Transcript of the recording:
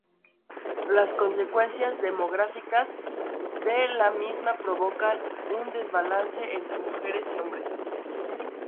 Las consecuencias demográficas de la misma provocan un desbalance entre mujeres y hombres.